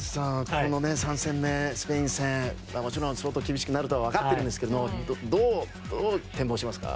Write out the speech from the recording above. この３戦目、スペイン戦もちろん、相当厳しくなるのは分かっているんですがどう展望しますか？